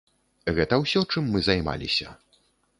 Гэта ўсё, чым мы займаліся.